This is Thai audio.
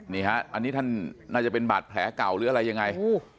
นี่ฮะอันนี้ท่านน่าจะเป็นบาดแผลเก่าหรืออะไรยังไง